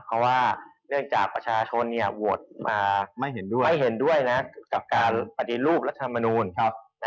เพราะว่าเนื่องจากประชาชนเนี่ยโหวดมาไม่เห็นด้วยกับการปฏิรูปรัฐมนุน